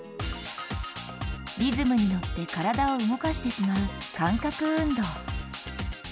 リズムに乗って体を動かしてしまう感覚運動。